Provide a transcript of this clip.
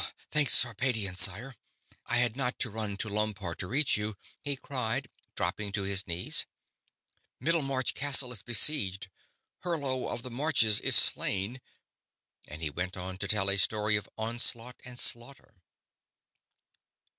"Thank Sarpedion, sire, I had not to run to Lompoar to reach you!" he cried, dropping to his knees. "Middlemarch Castle is besieged! Hurlo of the Marches is slain!" and he went on to tell a story of onslaught and slaughter.